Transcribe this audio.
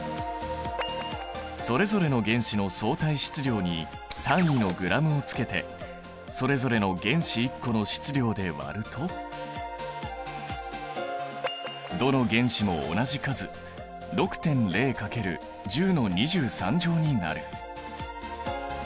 それぞれの原子の相対質量に単位のｇをつけてそれぞれの原子１個の質量で割るとどの原子も同じ数６．０×１０の２３乗になる。